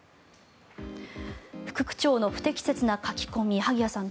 副区長の不適切な書き込み萩谷さん